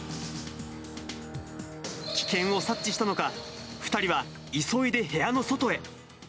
危険を察知したのか、２人は急いで部屋の外へ。